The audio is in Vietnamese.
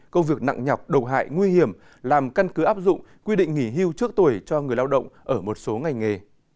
công việc nặng nhọc độc hại nguy hiểm làm căn cứ áp dụng quy định nghỉ hưu trước tuổi cho người lao động ở một số ngành nghề